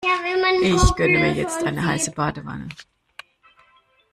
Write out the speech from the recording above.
Ich gönne mir jetzt eine heiße Badewanne.